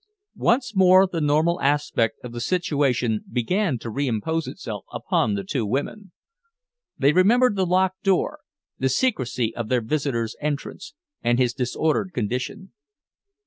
Once more the normal aspect of the situation began to reimpose itself upon the two women. They remembered the locked door, the secrecy of their visitor's entrance, and his disordered condition.